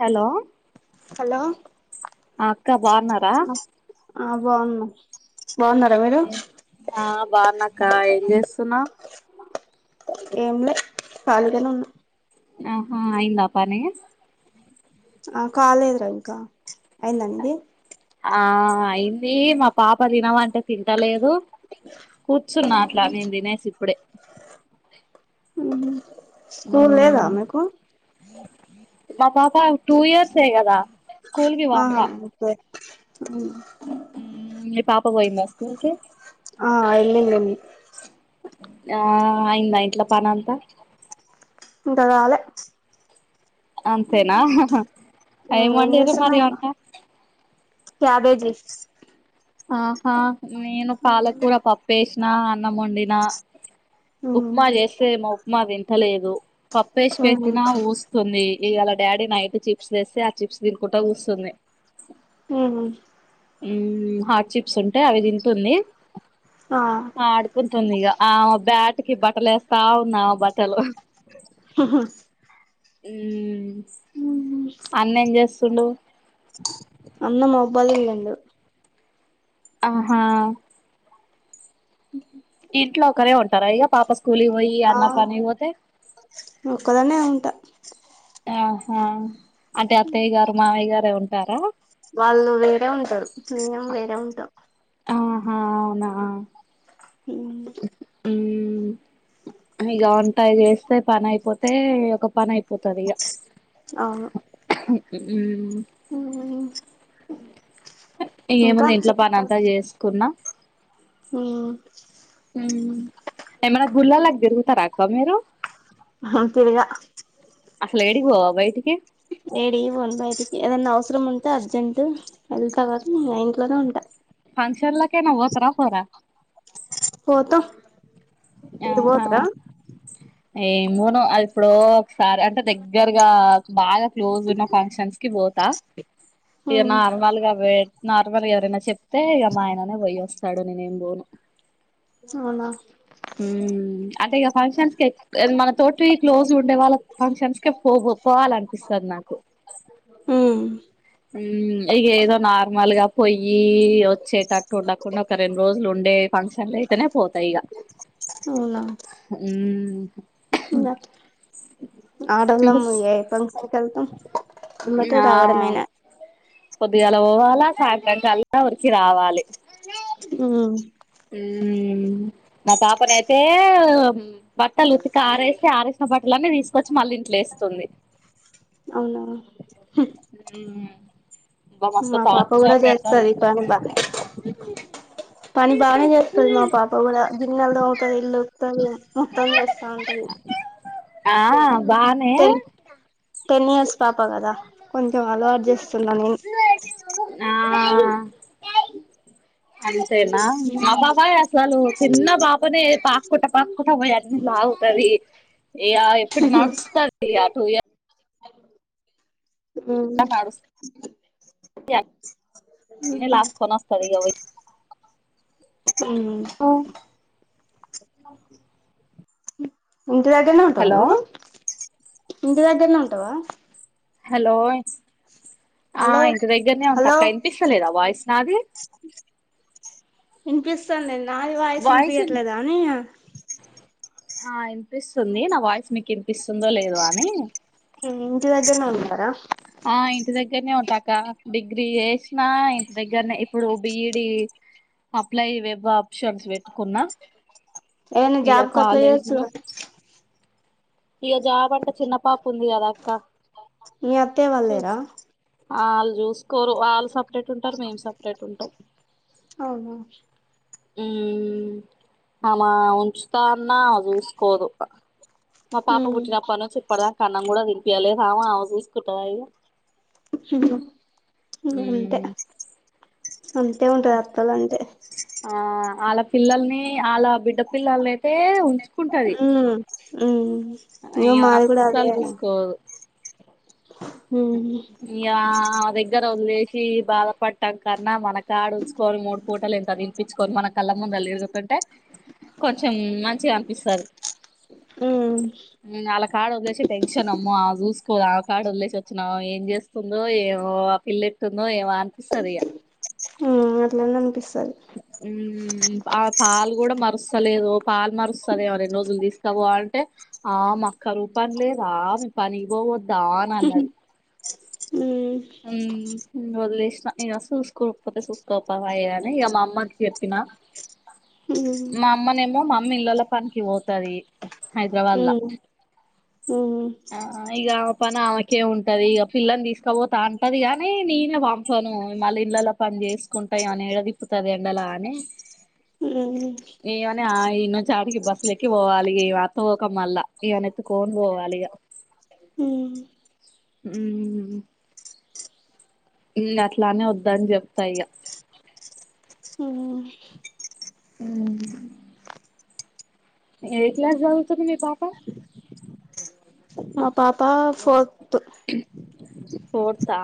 Hello hello ఆ అక్క బాగున్నార ఆ బాగున్నా బాగున్నారా మీరు కా ఏం చేస్తున్నావ్ ఏం లే కాళీగానే ఉన్నా ఆహా అయిందా పని ఆ కాలేదూరా ఇంకా అయింద మీది ఆ అయింది మా పాప తినవంటే తింటలేదు కూర్చున్నా అట్లా నేను తినేసి ఇప్పుడే ఉ హూ స్కూల్ లేదా మీకు మా మాపా టూ ఇయర్స్ ఏ కదా స్కూల్ ఆ ఓకే ఉం మీ పాప పోయిందా స్కూల్ కి ఆ వెల్లిందండి ఆ అయిందా ఇంట్లో పనంత ఇంకా గలే. అంతేనా అ హ హ అ యెమ్ ఏం ఒండింరు మరి చేస్తున్నావ్ ఇంకా వంట. క్యాబేజీ. ఆహా, నేను పాలకూర పప్పేసిన, అన్నం మొండిన. ఉప్మా జెస్తే ఏమో, ఉప్మా తింటలేదు, పప్పేసి పెట్టినా ఊస్తుంది. ఇయళ డాడీ నైట్ చిప్స్ తేస్తే ఆ చిప్స్ తినుకుంట కూసుంది. ఉహు. ఊమ్ హ చి. కూసుంటే అవి తింటుందీ, ఆ ఆడుకుంటుంది, ఇగ ఆ బ్యాట్. ఉతికి బట్టలు ఏస్తా ఉన్నా, బట్టలు, హు ఊమ్. బల్ ఇలండు. ఆహా. [inaudible] ఇంట్లో ఒకరే ఉంటార ఇగ, పాప స్కూల్ వొయి ఆ అన్న పనికి వొతే. ఒక్కదాన్నే ఉంటా ఆహా అంటే అత్తయ్య గారు, మావయ్య గారే ఉంటారా. వాళ్ళు వేరే ఉంటారు, మేము వేరే ఉంటాం. ఆహా అవునా. ఉమ్ హ్మ్. ఊమ్ ఇగ వంట జెస్తే పని అయిపోతే ఒక పని అయిపోతది ఇగ. అవును. ఇంకా ఇగేముంది ఇంట్లో పని అంతా చేసుకున్నా. ఆ. ఊమ్ ఎమన్నా గుల్లాలాకు దిరుగుతా అక్క మీరు. హ తిరుగా. అసలు ఎడికి వొవ బయిటికి. ఏదైన్నా అవసరం ఉంటే అర్జెంట్టు వెళ్తా గనీ అ ఇంట్లోనే ఉంటా. ఫంక్షన్ల కేనా పోతారా పోరా. పోతం మీలు వొతరా. ఏమ్ బోను అది ఎప్పుడో. సారే అంటే దగ్గరగా బాగా క్లోజ్ ఉన్న ఫంక్షన్స్ కి బోతా. ఇగ నార్మల్గా అవే నార్మల్ ఎవరైనా చెప్తే ఇగ మ ఆయననే పోయి ఓస్. తడున నేను బోను. అవునా. ఊమ్. అంటే ఇగ ఫంక్షన్స్ కె ఏ మన తోటి క్లోజ్ ఉండే వాళ్ళ ఫంక్షన్స్ కె పోవు పోవాలనిపిస్త. నాకు. హ. ఊమ్. ఇగ ఏదో నార్మల్ గా పొయ్యి వొచ్చేటట్టు ఉండకుండా ఒక రెండు రోజులు ఉండే ఫంక్షన్ల లే. ఉంటేనే పోతాయిగా. అవునా. ఊమ్. ఆడోలం బస్ ఏ పక్స్. ఏడికెళతాం ఏంబటే రావడ మేనా. పొద్దుగాలా పోవాలా సాయంత్రం కల్లా ఉరికి రావాలే ఆ ఉమ్ మా పాపనయితే బట్టలు ఉతికి ఆరేసి ఆరేసిన బట్టలన్నీ తీసుకొచ్చి మళ్ళీ ఇంట్ల లేస్తుంది. అవున హ్మ్ అబ్బా మస్తు మా పాప కూడా టార్చర్ పెడతది చేస్తది పని బానే పని బ బనే చేస్తది మా పాప కూడా గిన్నెలు తోంతది ఇల్లు ఉడుతది మొత్తం చేస్తా ఉంటది ఆ ఆ బానే టెన్ టెన్ ఇయర్స్ పాప కదా కొంచెం అలవాటు చేస్తున్నా నేను ఆ అంతేనా మా పాప అసలు చిన్న పాపనే పా పాకుట పాక్ కుంట పోయి అలా ఆగుతది ఇయా ఎప్పుడు నడుస్తది అటు ఇగ టూ ఇయ అ ఉమ్ ఇయర్స్ నడుస్తది అన్ని ఉమ్ లాక్కొని వస్తది ఇగ పోయి అవునా ఇంటి దగ్గరనే ఉంటావా హలో నువ్వు ఇంటి దగ్గరనే ఉంటావా. హలో ఆ హలో ఇంటి దగ్గరనే ఉంట హలో అక్క వినిపిస్తలేదా వాయిస్ నాది వినిపిస్తోంది నాది వాయిసు వాయిస్ ఇన్ వినిపించట్లేదా అని ఆ ఇనిపిస్తుంది నా వాయిస్ మీకు ఇనిపిస్తుందో లేదో అని ఉమ్ ఇంటి దగ్గర్నే ఉన్నారా ఆ ఇంటి దగ్గరనే ఉంటాక డిగ్రీ చేసినా ఇంటి దగ్గరనే ఇప్పుడు బిఈడి అప్లై వెబ్ ఆప్షన్స్ పెట్టుకున్నా. ఏదైనా ఇగ జాబ్కి అప్లై చేయొచ్చు కాలేజిలో కదా ఇగ జాబ్ అంటే చిన్న పాప ఉంది కదాక్క మీ అత్తయ్య వాళ్ళు లేరా ఆ వాళ్ళు చూసుకోరు వాళ్ళు సపరేట్ ఉంటారు మేము సపరేట్ ఉంటాం. అవున ఉమ్ ఆమ ఉంచుతా అన్నా ఆమ చూసుకోదు. మా పాప పుట్టినప్పనుంచి ఇప్పటిదాకా అన్నం కూడా తినిపియలేదమ ఆమ చూసుకుంటాద ఇగ అంతే అంతే ఉంటది అత్తాలు అంటే ఆ వాల పిల్లల్ని ఆళ బిడ్డ పిల్లల్ని అయితే ఉంచు ఉమ్ ఉమ్ ఈమెను మాది కూడా అదే అస్సలు చూసుకోదు ఇగ నా దగ్గర వదిలే సి బాధపట్టము కన్నా మన కడ ఉంచుకొని మూడు పూటలు ఇంత తినిపించుకొని మన కళ్ళ ముంద ఉంటే కొంచెం మంచిగా అనిపిస్తది. ఉమ్ ఆళ్ల కాడ వదిలేసి టెన్షన్ అమ్మ ఆమ చూసుకోదు ఆమ కడ వదిలేసి వచ్చినం ఏం చేస్తుందో ఏమో పిల్ల ఎట్టుందో ఏమో అనిపిస్తది ఇగ ఆ అట్లనే అనిపిస్తాది ఉమ్ ఆ పాలు కూడా మరుస్తలేదు పాల్ మారుస్తది ఏమో రెండు రోజులు తీసుకపో అంటే ఆ మా కరువు పని లేదా మీ పనికి పోవద్దా అనిన్నది. ఉమ్ ఇగ వదిలేసిన ఇగ చూస్కోపోతే సూస్కోప్పయ్య అని ఇగ మా అమ్ అమ్మకి చెప్పినా ఉమ్ మా అమ్మనేమో మా అమ్మ ఇల్లల పనికి పోతది హైదరాబాద్లా ఉమ్ అ ఇగ పని ఆమెకే ఉంటది ఇక పిల్లని తీసుకపోతా అంటది గానీ నేనేం చను మళ్ళీ ఇళ్లలో పని చేస్త కుంటాయి అని ఎడతిప్పుతందెండాలని ఉమ్ ఏమని ఇన్నొంచి ఆడికి బస్సుల ఎక్కి పోవాలి అత పోకం మల్ల ఇవన ఎత్తుకని పోవాలిగా హ్మ్మ్ ఉమ్మ్ ఎల్ అట్లానే వద్దని చెప్తాయిగా ఉమ్మ్ హ్మ్మ్ ఎ క్లాస్ చదువుతుంది మీ పాప మ పాప ఫర్త్ తా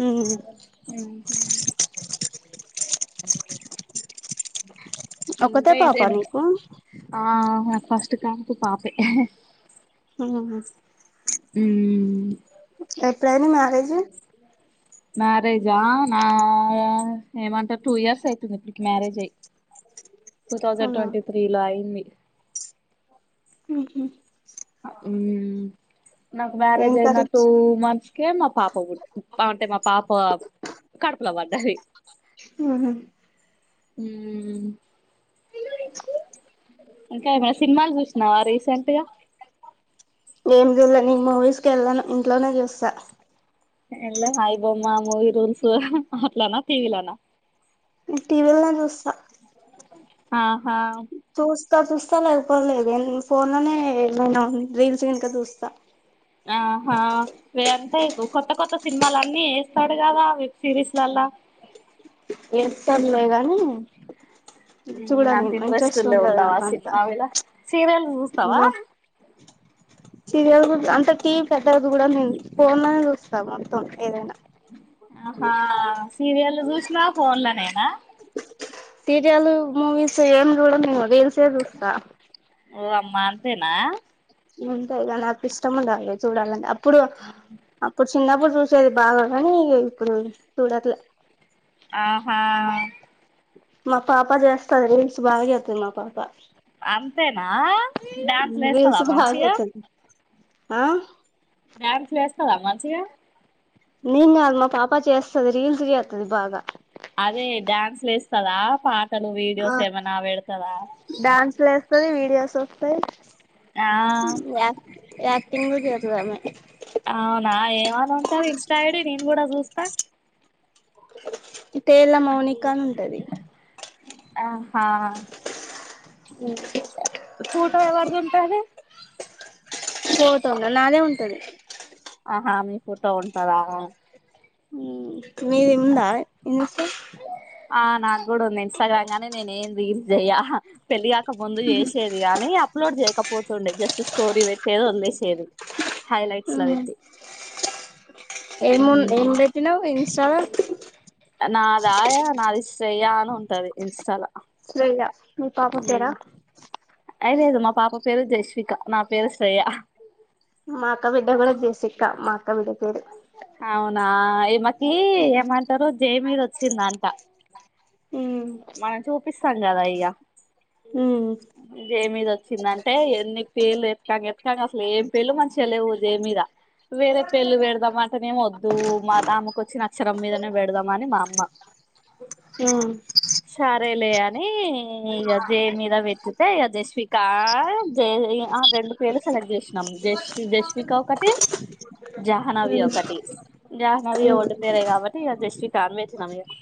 హమ్ ఇంకా ఒకతే పాప ఎంచేడెం నీకు ఆ ఫస్ట్ కాన్పు పాపే ఉమ్ ఉమ్మ్ ఎప్పుడైంది మ్యారేజ్ మరేజా నా ఏమంటారు టూ ఇయర్స్ అవుతుంది ఇప్పటికి మ్యారేజ్ అయ్ టూ థౌజండ్ అవునా ట్వంటీ త్రీ లో అయింది ఉహామ్ ఆ ఉమ్మ్ నాకు ఏం మ్యారేజ్ అయిన కర్రీ టూ మంత్స్కే మా పాప అంటే మా పాప కడుపలా పడ్డది ఉహ్మ్ హమ్మ్ ఇంకాబ సినిమాలు చూసినావా రీసెంట్గా ఏం నేను మూవీస్కి వెళ్ళాను ఇంట్లోనే చూస్తా ఎల్లవ ఐ బొమ్మ మూవి రూల్స్ అట్లనే టీవి లానా టీవీల చూస్తా ఆహా ఇంకా చూస్తా లేకపోలేదు ఫోన్ లోనే ఏమైనా ఉ రీల్స్ కనుక చూస్తా ఆహా వేంపైకు కొత్త కొత్త సినిమలు అన్ని వేస్తాడు కదా వెబ్ సిరీస్లల్లా ఎస్తలే గాని చూడ అంత నేను ఇంట్రెస్ట్ ఇంట్రెస్ట్ల్ ఉండదు ఉండవు ఆ నాకు అంత సినిమా లిగా సీరియల్ చూస్తావా మా సీరియల్ అంటే టీవీ పెద్దది కూడా నేను ఫోన్నే చూస్తా మొత్తం ఏదైనా హా సీరియల్ చూసినా ఫోన్లనేేనా సీరియల్ మూవీస్ ఏం చూడను రీల్సే చూస్తా ఓ అమ్మా అంతేనా ఉంతాయిగా నాకు ఇష్టండాలి చూడాలంటే అప్పుడు అప్పుడు చిన్నప్పుడు చూసేది బాగా కానీ ఇప్పుడు చూడట్లే ఆ హా మా పాప చేస్తది రీల్స్ బాగా చేస్తది మా పాప అంతేనా డ్యాన్స్ వేస్తవా రీల్స్ బాగా చేస్తది ఆ డాన్స్ వేస్తదా మంచిగా నేను కాదు మా పాప చేస్తది రీల్స్ చేస్తది బాగా అదే డ్యాన్స్లు వేస్తదా పాట తను ఆ వీడియోస్ ఏమన్నా పెడతాదా డాన్స్లు వేస్తది వీడియోస్ వస్తాయ్ యాక్ట్ యాక్టింగ్ చేస్తాదామే అవునా ఏమను ఉంటాది ఇన్స్టా ఐడి నేను కూడా చూస్తా ఇట్టే ఎల మౌని ఆహా ఇ ఫోటో ఎవరిది ఉంటాది ఫోటో ఉండ నాదే ఉంటది ఆహా మీ ఫోటో ఉంటదాా మీది ఉందా ఇన్స్ట ఆ నాకు కూడా ఉంది ఇన్స్టాగ్రామ్ గానీ నేనే ఏం రీల్స్ చెయ్యా పెళ్ళిగాక ముందు చేసేది కానీ అప్లోడ్ చేయకపోతుండే జస్ట్ స్టోరీ పెట్టేది వలేసి హైలట్స్ లో వెట్టి ఎమ్ ఏం పెట్టినావ్ ఇన్స్టాలా నాదా నాది శ్రేయ అని ఉంటది ఇన్స్టాలో యా మీ పాప పేరా అయలేదు మా పాప పేరు జేష్విక నా పేరు శ్రేయ మాక్క బిడ్డ కూడా జేసిత మాక్క బిడ్డ పేరు అవునా ఈమకి ఏమంటారు జె మీద వచ్చిందంట మనం చూపిస్తాం కదా ఇక జె మీద వచ్చిందంటే ఎన్ని పేర్లు ఎతుకంగా ఎతకంగ అసలు ఏం పేర్లు మంచిగా లేవు జె మీద వేరే పేర్లు పెడదాం అంటనేమ వద్దు ఆమెకు వచ్చిన అక్షరం మీదనే పెడదామ అని మా అమ్మ ఆ సరేలే అని ఇక జె మీద పెడితే ఇక జేష్విక ఆ రెండు పేర్లు సెలెక్ట్ చేసినాం జష్వి జష్విిక ఒక ఒకటి జాహ్నవి ఒకటి జాహ్నవి ఓల్డ్ పేరే కాబట్టి ఇక జేష్విక [unintelligible]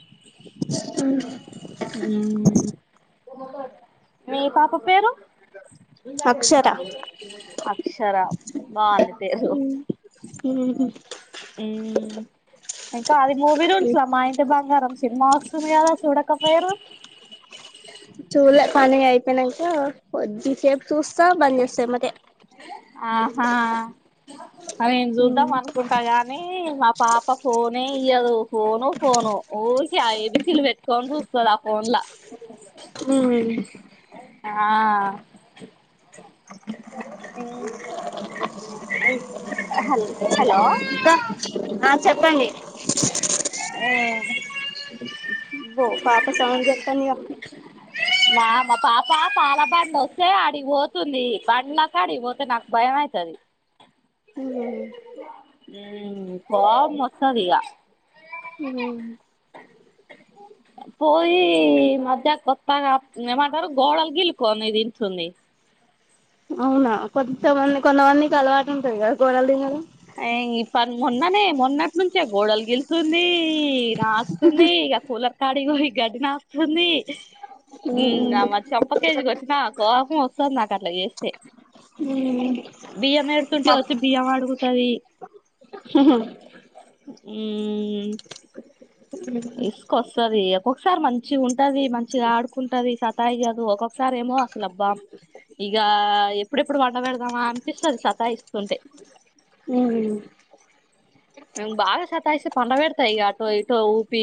ఉమ్ మీ పాప పేరు అక్షర బా అంది పేరు ఉహు ఉహూ ఇంకా అది మూవీ రూల్జ్ మా ఇంటి బంగారం సినిమా వస్తుంది కదా చూడక పయరు ఆ కొద్దిీ సేప్ చూస్తా బందస్తామ ఆహా నేను చూద్దాం అనుకుంటా గాని మా పాప ఫోనే ఇయ్యదు ఫోను ఫోను ఊరికే ఆ [unintelligible] చూస్తది ఆ ఫోన్ ల ఉమ్ ఆ హల్ హలో ఇంకా ఆ చెప్పండి. మ్ అబ్బో, పాప స్నానం చేస్తందిగా. నా మా పాప పాల బండి వస్తే ఆడికిపోతుంది. బండ్లాకాడిగకి పోతే నాకు భయం. ఏమైతాది. కోపమొస్తాదిగ మ్ పోయి మధ్యాహ్నానికి వస్తాన ఏమంటారు గోడలుగిల్లు కొని తీస్తుంది. అవునా కొంతమంది కొంతమందికి అలవాటు ఉంటాది కదా గోడలు తినేది. అ ఇ ప మొన్ననే మొన్నటి నుంచే గోడలు గిళ్తుంది. ఈ నాకుతుంది ఇక కూలర్ కాడికి పోయి గడ్డి నాకుతుంది. మ్ ఆమె చెంప కేసి కొట్టినా, కోపం వస్తాది నాకు అట్లా చేస్తే. బియ్యం ఏరుతుంటే వచ్చి బియ్యం అడుగుతుంది. మ్ ఉ ఊ విసుగొస్తాది. ఒక్కొక్కసారి మంచి ఉంటది. మంచిగా ఆడుకుంటాది, సతాయిదు ఒక్కొక్కా ఈసారేమో అసలుబ్భా అనిపించింది ఇక ఎప్పుడెప్పుడు పండా పెడదామా అనిపిస్తాది సతాయిస్తుంటే. అవు [unintelligible] బాగా సతాయిస్తుంటే పండ పెడతా ఈ ఆటో ఇటు ఊపి తిప్పి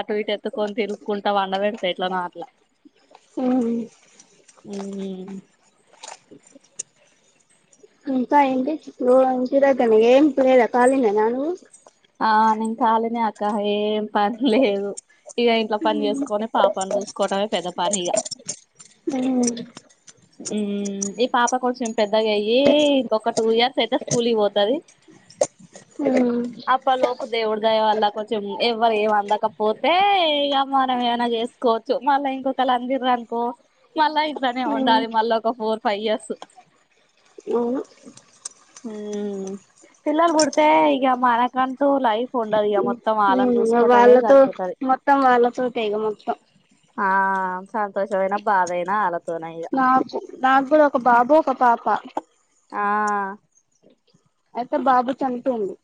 అటు ఇటు ఎతుక్కొని తిరుగుకుంటా పండ పెడతా ఇట్ల నో అట్ల మ్ ఇంకాయేంది నువ్వు ఇంటి దగ్గరనే ఏం తినే రకాలేనా నువ్వు. ఆ నేను ఖాళీనే అక్కా ఏం పని లేదు. ఇక ఇంట్లో పని చేసుకొని పాపని చూసుకోవటమే పెద్ద పని ఇక ఉమ్ ఉ ఈ పాప కొంచం పెద్దగా అయ్యి ఇక ఒక టూ ఇయర్స్ పెద్దది స్కూల్ కి పోతాది. మ్ దేవుడిదయ వల్ల కొంచెం ఎవ్వరు ఏం అందకపోతే ఇక మనం ఏమైనా చేసుకోవచ్చు మన ఇంకొకరుఅందిర్రు అనుకో మళ్ళా ఇంట్లోనే ఉండాలి. మళ్ళా ఒక ఫోర్ ఫైవ్ ఇయర్స్. మ్ ఉహ్ మ్ పిల్లలు పుడితే ఇగ మనకంటూ లైఫ్ ఉండదిగ మొత్తం మొత్తం వాళ్ళని చూసుకోవటమే వాళ్ళతో సరిపోతాది. మొత్తం వాళ్ళతోటే ఇగ మొత్తం ఆ సంతోషమైన, బాధయినా వాళ్ళతోటే నాకు నాకు కూడా ఒక బాబు, ఒక పాప. ఆ అయితే బాబు చనిపోయుండు.